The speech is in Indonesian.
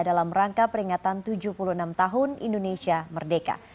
dalam rangka peringatan tujuh puluh enam tahun indonesia merdeka